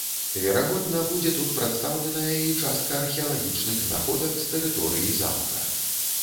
Верагодна, будзе тут прадстаўленая і частка археалагічных знаходак з тэрыторыі замка.